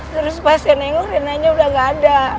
terus pas saya nengok renanya udah gak ada